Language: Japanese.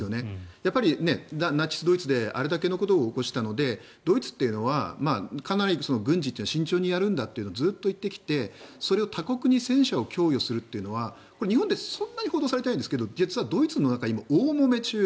やっぱりナチス・ドイツであれだけのことを起こしたのでドイツっていうのはかなり軍事は慎重にやるんだというのをずっと言ってきて、それを他国に戦車を供与するというのはこれは日本でそんなに報道されていないんですけどドイツの中で大もめ中。